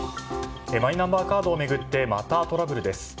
マイナンバーカードを巡ってまたトラブルです。